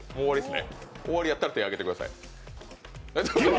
終わりやったら手を挙げてください。